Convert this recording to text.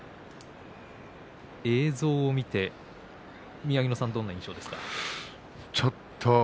映像を見て宮城野さんはどんな印象ですか？